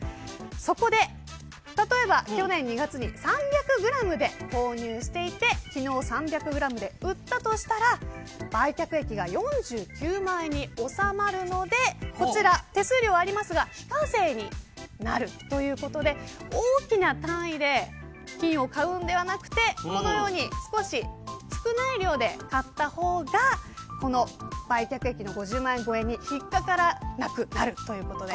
そこで、例えば去年２月に３００グラムで購入していて昨日３００グラムで売ったとしたら売却益が４９万円に収まるのでこちら、手数料はありますが非課税になるということで大きな単位で金を買うのではなくこのように金を少し少ない量で買った方が売却益の５０万円に引っかからなくなるということです。